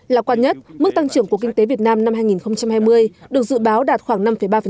lạc quan nhất mức tăng trưởng của kinh tế việt nam năm hai nghìn hai mươi được dự báo đạt khoảng năm ba